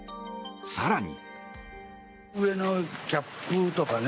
更に。